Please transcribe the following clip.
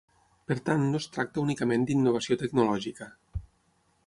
Per tant no es tracta únicament d'innovació tecnològica.